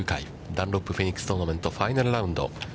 ダンロップフェニックストーナメントファイナルラウンド。